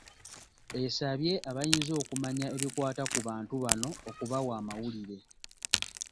Esabye abayinza okumanya ebikwata ku bantu bano okubawa amawulire.